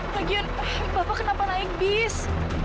bagian bapak kenapa naik bis